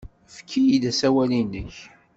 Efk-iyi-d asawal-nnek.